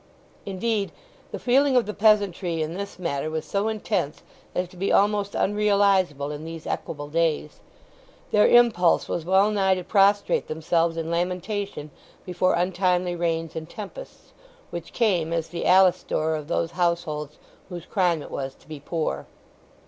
Indeed, the feeling of the peasantry in this matter was so intense as to be almost unrealizable in these equable days. Their impulse was well nigh to prostrate themselves in lamentation before untimely rains and tempests, which came as the Alastor of those households whose crime it was to be poor.